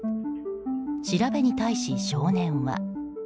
調べに対し、少年は。